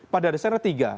pada dasarnya tiga